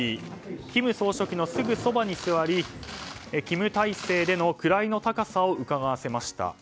金総書記のすぐそばに座り金体制での位の高さをうかがわせました。